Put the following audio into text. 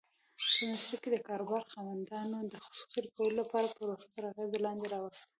په مصر کې د کاروبار خاوندانو د خصوصي کولو پروسه تر اغېز لاندې راوسته.